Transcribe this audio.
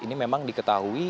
ini memang diketahui